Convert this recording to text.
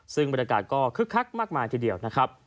ซึ่งบรรยากาศก็คึกคักมากมายทีเดียวนะครับ